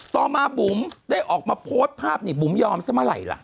ต่อมาบุ๋มได้ออกมาโพสต์ภาพนี่บุ๋มยอมซะเมื่อไหร่ล่ะ